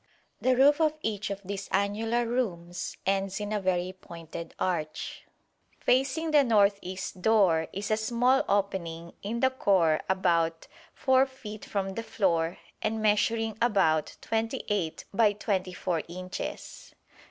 The roof of each of these annular rooms ends in a very pointed arch. Facing the north east door is a small opening in the core about 4 feet from the floor and measuring about 28 by 24 inches.